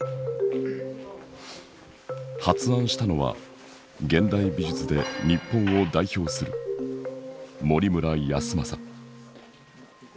発案したのは現代美術で日本を代表する森村泰昌。